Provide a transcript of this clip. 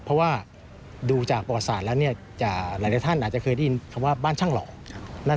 เพราะว่าดูจากปรสาทหลายท่านอาจจะเคยได้ยินคำว่าบ้านช่างเหลา